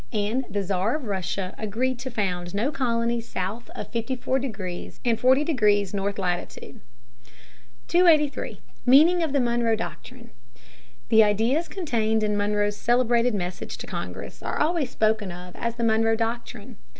And the Czar of Russia agreed to found no colonies south of fifty four degrees and forty minutes north latitude. [Sidenote: Meaning of the Monroe Doctrine.] 283. Meaning of the Monroe Doctrine. The ideas contained in Monroe's celebrated message to Congress are always spoken of as the Monroe Doctrine.